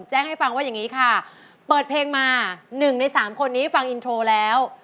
ให้ฟังว่าอย่างนี้ค่ะเปิดเพลงมา๑ใน๓คนนี้ฟังอินโทรแล้ว